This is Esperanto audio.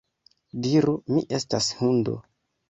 Diru, mi estas hundo